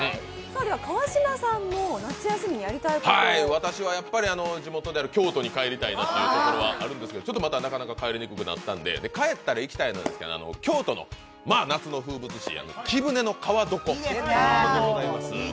私はやっぱり地元である京都に帰りたいなというところがあるんですけどちょっとまだなかなか帰りにくくて帰ったら行きたいんですけど京都の夏の風物詩、貴船の川床でございます。